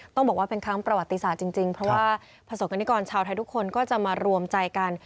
ต้องบอกว่าเป็นครั้งประวัติศาสตร์จริงเพราะว่าประสบกรณิกรชาวไทยทุกคนก็จะมารวมใจกัน